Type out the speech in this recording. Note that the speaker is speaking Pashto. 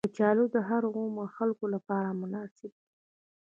کچالو د هر عمر خلکو لپاره مناسب دي